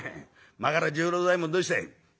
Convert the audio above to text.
真柄十郎左衛門どうしたい？」。